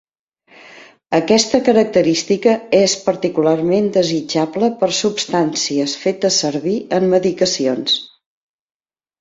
Aquesta característica és particularment desitjable per substancies fetes servir en medicacions.